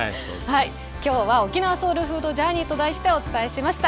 今日は「沖縄ソウルフード・ジャーニー」と題してお伝えしました。